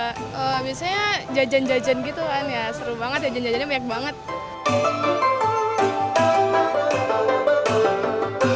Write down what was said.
biasanya jajan jajan gitu kan ya seru banget jajan jajannya banyak banget